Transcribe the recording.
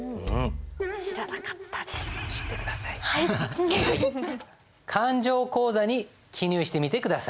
なるほど勘定口座に記入してみて下さい。